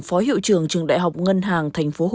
phó hiệu trưởng trường đại học ngân hàng